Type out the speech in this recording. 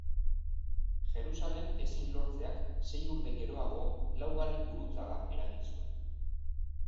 Jerusalem ezin lortzeak sei urte geroago Laugarren Gurutzada eragin zuen.